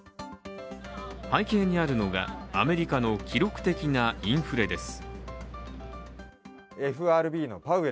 背景にあるのがアメリカの記録的なインフレです。